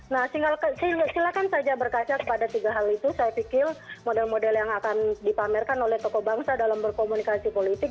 nah silakan saja berkaca kepada tiga hal itu saya pikir model model yang akan dipamerkan oleh tokoh bangsa dalam berkomunikasi politik